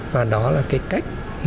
và đó là cái cách